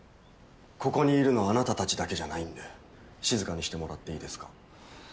ここにいるのあなたたちだけじゃないんで静かにしてもらっていいですか？